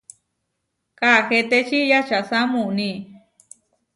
Kaahetečí yačasá muuní.